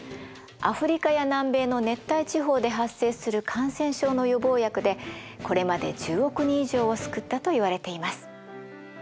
アフリカや南米の熱帯地方で発生する感染症の予防薬でこれまで１０億人以上を救ったといわれています。